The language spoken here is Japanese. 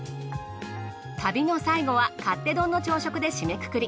旅の最後は勝手丼の朝食で締めくくり。